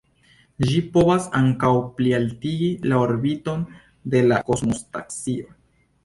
Ĝi povas ankaŭ plialtigi la orbiton de la kosmostacio.